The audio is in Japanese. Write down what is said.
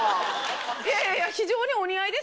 いやいやいや非常にお似合いですよ。